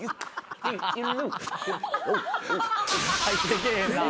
入ってけえへんな。